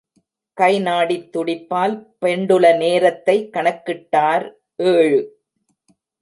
கை நாடித் துடிப்பால் பெண்டுல நேரத்தை கணக்கிட்டார் ஏழு.